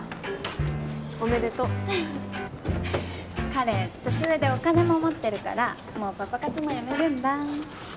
彼年上でお金も持ってるからもうパパ活もやめるんだ。